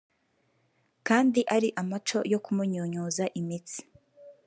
kandi ari amaco yo kumunyunyuza imitsi